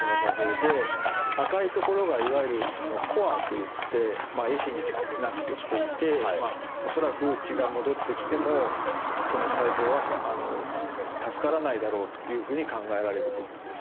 赤い所がいわゆる「コア」といって壊死になってきていて恐らく血が戻ってきてもその細胞は助からないだろうというふうに考えられる部分です。